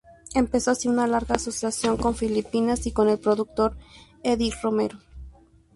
Empezó así una larga asociación con Filipinas y con el productor Eddie Romero.